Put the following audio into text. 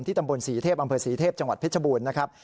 ตำบลศรีเทพอำเภอศรีเทพจังหวัดเพชรบูรณ์นะครับ